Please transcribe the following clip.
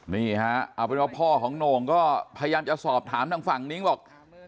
นี่ฮะเอาเป็นว่าพ่อของโหน่งก็พยายามจะสอบถามทางฝั่งนิ้งบอก